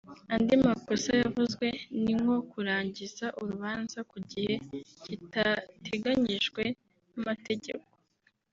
Andi makosa yavuzwe ni nko kurangiza urubanza ku gihe kitateganyijwe n’amategeko